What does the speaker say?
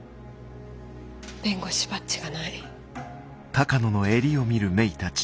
弁護士バッジがない。